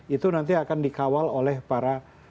itu nanti akan dikawal oleh para